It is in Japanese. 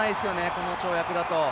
この跳躍だと。